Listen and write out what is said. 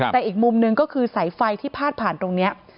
แต่อีกมุมหนึ่งก็คือสายไฟที่พาดผ่านตรงนี้